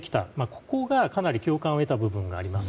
ここがかなり共感を得た部分があります。